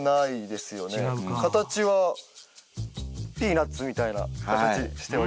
違うか形はピーナツみたいな形しております。